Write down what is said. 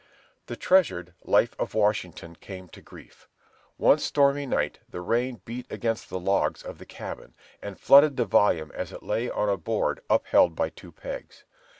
The treasured "Life of Washington" came to grief. One stormy night the rain beat between the logs of the cabin, and flooded the volume as it lay on a board upheld by two pegs.